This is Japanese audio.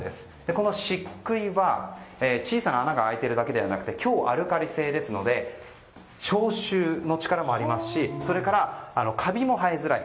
この漆喰は、小さな穴が開いているだけでなくて強アルカリ性ですので消臭の力もありますしそれからカビも生えづらい。